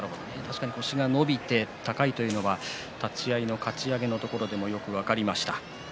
腰が伸びて高いというのは立ち合いのかち上げのところでもよく分かりました。